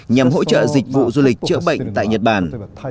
nhằm hỗ trợ dịch vụ du lịch chữa bệnh tại nhật bản